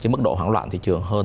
chỉ mức độ hoảng loạn thì chẳng hạn